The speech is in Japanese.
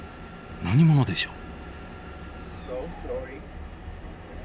何者でしょう？